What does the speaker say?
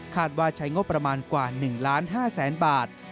คาดว่าใช้งบประมาณกว่า๑๕๐๐๐๐๐บาท